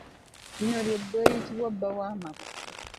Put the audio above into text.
Lino ly’ebbwa eriyitibwa bba w’amabwa.